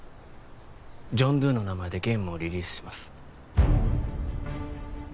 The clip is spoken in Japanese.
ジョン・ドゥの名前でゲームをリリースします